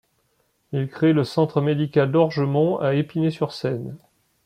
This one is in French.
Il crée le Centre Médical d’Orgemont à Épinay-sur-Seine.